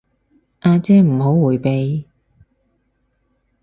阿姐唔好迴避